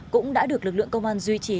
cũng đã được lực lượng công an duy trì